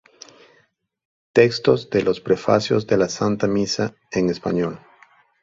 Textos de los Prefacios de la Santa Misa en español.